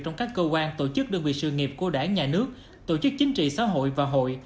trong các cơ quan tổ chức đơn vị sự nghiệp của đảng nhà nước tổ chức chính trị xã hội và hội